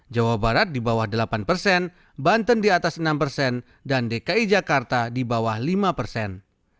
jawa barat di bawah delapan persen banten di atas enam persen dan dki jakarta di bawah lima persen